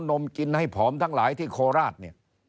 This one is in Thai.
นมกินให้ผอมทั้งหลายที่โคราชเนี่ย